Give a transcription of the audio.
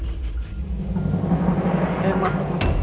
ya makasih mbak